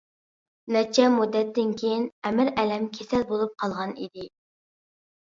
نەچچە مۇددەتتىن كېيىن ئەمىر ئەلەم كېسەل بولۇپ قالغان ئىدى.